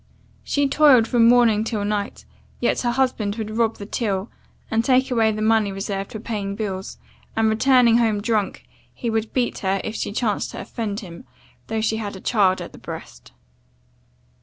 She toiled from morning till night; yet her husband would rob the till, and take away the money reserved for paying bills; and, returning home drunk, he would beat her if she chanced to offend him, though she had a child at the breast.